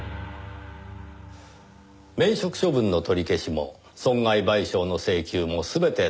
免職処分の取り消しも損害賠償の請求も全て建前。